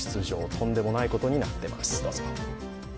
とんでもないことになってます。